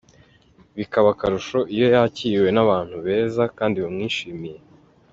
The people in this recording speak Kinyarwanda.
Bikaba akarusho iyo yakiriwe n’abantu beza kandi bamwishimiye.